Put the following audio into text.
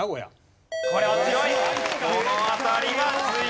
これは強い！